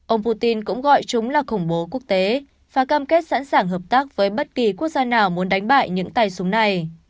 ông putin cũng gọi chúng là khủng bố quốc tế và cam kết sẵn sàng hợp tác với bất kỳ quốc gia nào muốn đánh bại những tay súng này